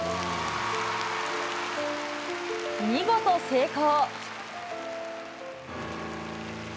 見事成功。